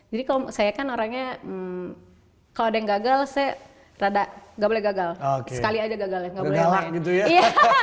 jadi kalau saya kan orangnya kalau ada yang gagal saya rada nggak boleh gagal sekali aja gagal ya